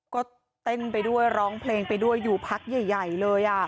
ก็เต้นไปด้วยร้องเพลงไปด้วยอยู่พักใหญ่เลย